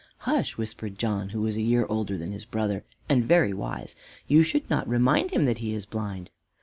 "Hush!" whispered John, who was a year older than his brother and very wise, "you should not remind him that he is blind."